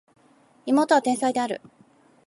妹は天才である